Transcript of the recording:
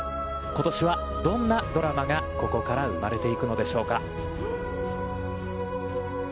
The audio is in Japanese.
ことしは、どんなドラマがここから生まれていくのでしょうか。